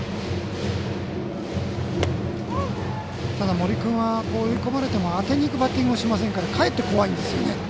森君は追い込まれても当てにいくバッティングをしませんからかえって怖いですね。